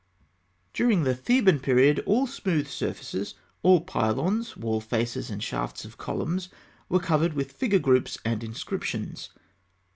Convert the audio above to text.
During the Theban period, all smooth surfaces, all pylons, wall faces, and shafts of columns, were covered with figure groups and inscriptions.